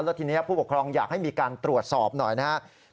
แล้วทีนี้ผู้ปกครองอยากให้มีการตรวจสอบหน่อยนะครับ